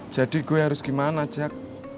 jadi gue harus gimana jack